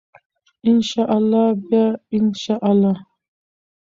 ان شاء الله بیا ان شاء الله.